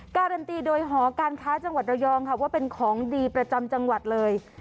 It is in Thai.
การันตีโดยหอการค้าจังหวัดระยองค่ะว่าเป็นของดีประจำจังหวัดเลย